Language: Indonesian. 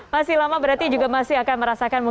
masih lama berarti juga masih akan merasakan